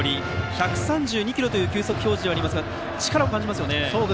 １３２キロという球速表示ですが力を感じますね。